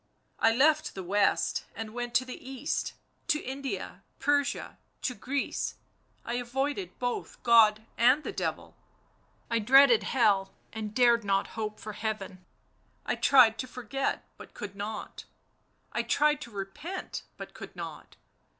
I left the West and went to the East, to India, Persia, to Greece, I avoided both God and the Devil, I dreaded Hell and dared not hope for Heaven, T tried to forget but could not, I tried to repent but could not.